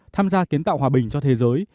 tham gia kiến tạo hòa bình cho thế giới